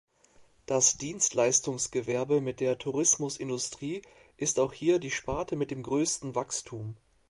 Das Dienstleistungsgewerbe mit der Tourismusindustrie ist auch hier die Sparte mit dem größten Wachstum.